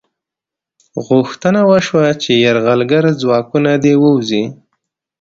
غوښتنه وشوه چې یرغلګر ځواکونه دې ووځي.